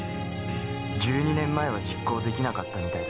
１２年前は実行出来なかったみたいだけど。